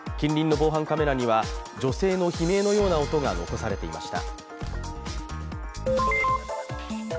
近隣の防犯カメラには、女性の悲鳴のような音が残されていました。